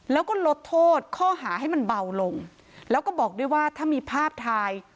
แล้วก็ลดโทษข้อหาให้มันเบาลงแล้วก็บอกด้วยว่าถ้ามีภาพถ่าย